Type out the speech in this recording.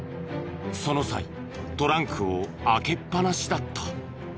その際トランクを開けっ放しだった。